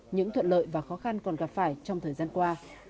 những thuận lợi và khó khăn còn gặp phải trong thời gian qua